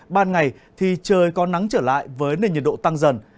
ban ngày thì trời có nắng trở lại với nền nhiệt độ tăng dần